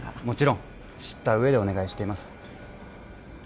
もちろん知った上でお願いしています